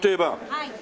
はい。